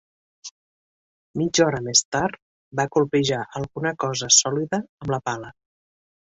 Mitja hora més tard, va colpejar alguna cosa sòlida amb la pala.